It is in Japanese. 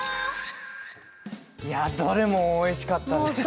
どれもおいしかったですね。